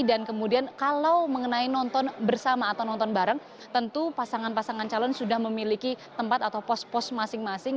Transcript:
dan kemudian kalau mengenai nonton bersama atau nonton bareng tentu pasangan pasangan calon sudah memiliki tempat atau pos pos masing masing